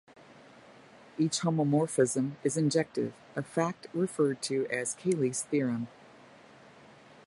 Each homomorphism is injective, a fact referred to as Cayley's theorem.